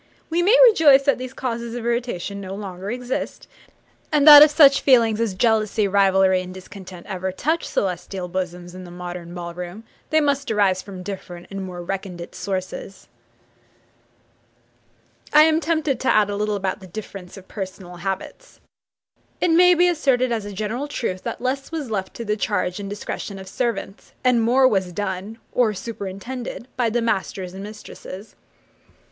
We may rejoice that these causes of irritation no longer exist; and that if such feelings as jealousy, rivalry, and discontent ever touch celestial bosoms in the modern ball room they must arise from different and more recondite sources. I am tempted to add a little about the difference of personal habits. It may be asserted as a general truth, that less was left to the charge and discretion of servants, and more was done, or superintended, by the masters and mistresses.